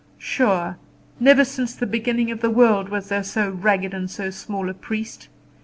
Sure, never since the beginning of the world was there so ragged and so small a priest.